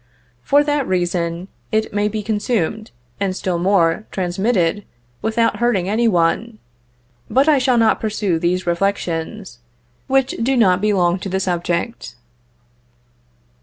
For that reason, it may be consumed, and, still more, transmitted, without hurting any one; but I shall not pursue these reflections, which do not belong to the subject.